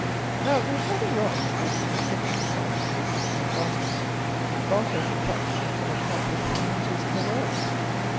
Now, there is nothing wrong, nothing essentially wrong, in this system of barter. Barter is in practice in some of the happiest communities in the world.